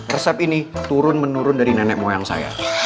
resep ini turun menurun dari nenek moyang saya